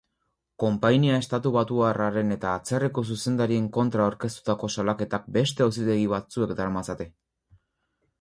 Konpainia estatubatuarraren eta atzerriko zuzendarien kontra aurkeztutako salaketak beste auzitegi batzuek daramatzate.